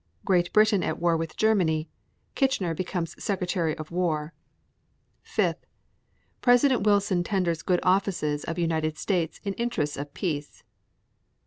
4. Great Britain at war with Germany. Kitchener becomes Secretary of War. 5. President Wilson tenders good offices of United States in interests of peace.